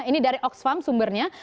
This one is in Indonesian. ini dari oxfam sumbernya